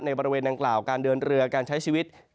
บริเวณดังกล่าวการเดินเรือการใช้ชีวิต